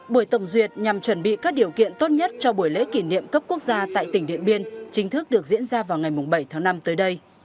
buổi tổng duyệt nhằm chuẩn bị các điều kiện tốt nhất cho buổi lễ kỷ niệm cấp quốc gia tại tỉnh điện biên chính thức được diễn ra vào ngày bảy tháng năm tới đây